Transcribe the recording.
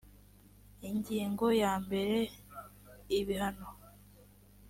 ingingo ya mbere ibihano